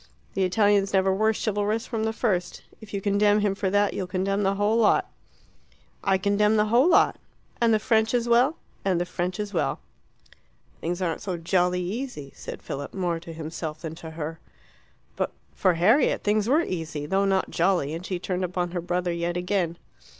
The Italians never were chivalrous from the first. If you condemn him for that, you'll condemn the whole lot." "I condemn the whole lot." "And the French as well?" "And the French as well." "Things aren't so jolly easy," said Philip, more to himself than to her. But for Harriet things were easy, though not jolly, and she turned upon her brother yet again.